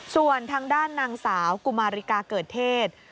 ส่วนทางด้านนางสาวกุมาริกาเกิดเทศ